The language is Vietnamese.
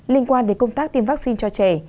liên quan đến công tác tiêm vaccine cho trẻ